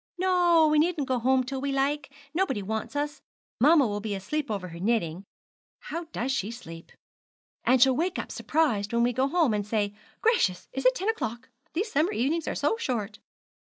'No, we needn't go home till we like nobody wants us. Mamma will be asleep over her knitting, how she does sleep! and she'll wake up surprised when we go home, and say, "Gracious, is it ten o'clock? These summer evenings are so short!"'